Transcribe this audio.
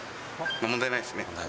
問題ないですね。